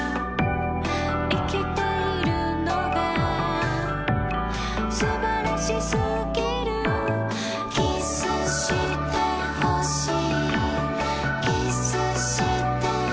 「生きているのがすばらしすぎる」「キスして欲しい」